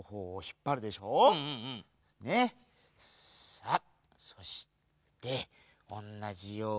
さあそしておんなじように。